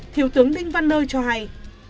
thiếu tướng đinh văn nơi cho hay